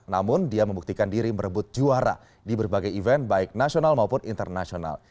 namun dia membuktikan diri merebut juara di berbagai event baik nasional maupun internasional